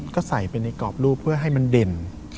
ก็ใส่ไปในกรอบรูปเพื่อให้มันเด่น